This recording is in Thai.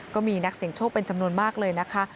ก็มีนักเสียงโชคเป็นจำนวนมากเลยนะคะ